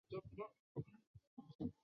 总部位于湖北省襄樊市。